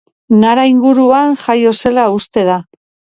Nara inguruan jaio zela uste da.